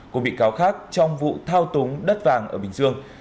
của bị cáo khác trong vụ thao túng đất vàng ở bình dương